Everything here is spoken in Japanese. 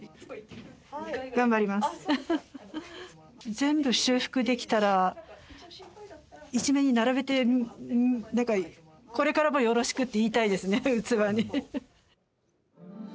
全部、修復できたら一面に並べて、なんかこれからもよろしくって言いたいですね、器に。